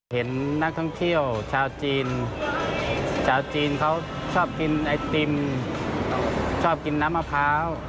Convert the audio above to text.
เห็นนักท่องเที่ยวชาวจีนชาวจีนเขาชอบกินไอติมชอบกินน้ำมะพร้าว